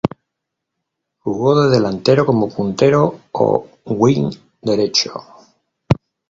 Jugó de delantero como puntero o wing derecho.